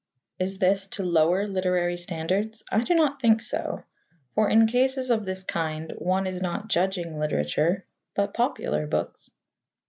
Is this to lower literary standards? I do not think so, for, in cases of this kind, one is not judging literature, but popular books.